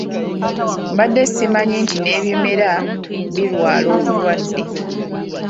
Mbadde simanyi nti n'ebimera birwala obulwadde.